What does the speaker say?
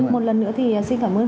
một lần nữa thì xin cảm ơn